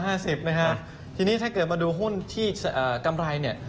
น้อยกว่า๕๐นะครับทีนี้ถ้าเกิดมาดูหุ้นที่กำไร